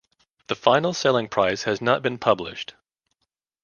The final selling price has not been published.